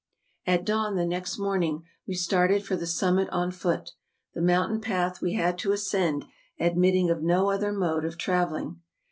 At dawn, the next morning, we started for the summit on foot, the mountain path we had to ascend admitting of no other mode of travelling.